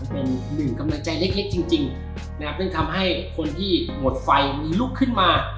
เป็นหนึ่งกำลังใจเล็กจริงนะครับซึ่งทำให้คนที่หมดไฟมีลุกขึ้นมา